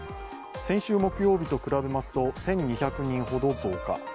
先週木曜日と比べますと、１２００人ほど増加。